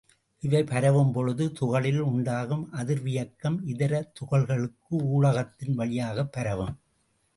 இவை பரவும் பொழுது துகளில் உண்டாகும் அதிர்வியக்கம் இதர துகள்களுக்கு ஊடகத்தின் வழியாகப் பரவும்.